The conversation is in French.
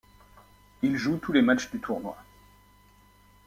Il joue tous les matchs du tournoi.